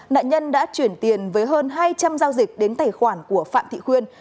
nạn nhân đã chuyển tiền với hơn hai trăm linh giao dịch đến tài khoản của phạm thị khuyên